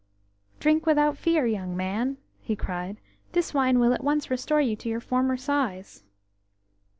"Drink without fear, young man," he cried. "This wine will at once restore you to your former size."